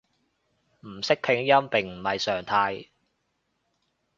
唔識拼音並唔係常態